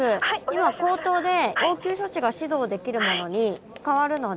今口頭で応急処置が指導できる者に代わるので。